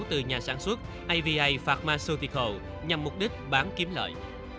từ nhà sản xuất ava pharmaceutical nhằm mục đích bán kiếm lợi